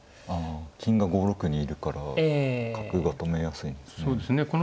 ああ金が５六にいるから角が止めやすいんですね。